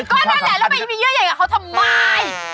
ก็นั่นแหละแล้วไปมีเยื่อใหญ่กับเขาทำไม